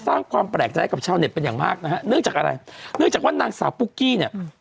สร้างความแปลกใจให้กับชาวเน็ตเป็นอย่างมากนะฮะเนื่องจากอะไรเนื่องจากว่านางสาวปุ๊กกี้เนี่ย